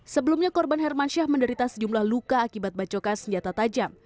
sebelumnya korban hermansyah menderita sejumlah luka akibat bacokan senjata tajam